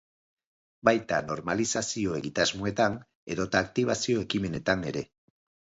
Baita normalizazio-egitasmoetan edota aktibazio-ekimenetan ere.